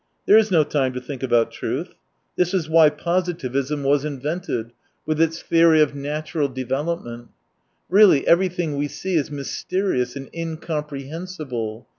There is no time to think about truth ! This is why positivism was 108 invented, with its theory of natural develop ment. Really, everything we see is mysterious and incomprehensible.